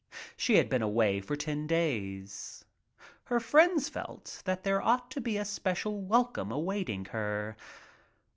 She had been away for ten days. Her friends felt that there ought to be a special welcome awaiting her.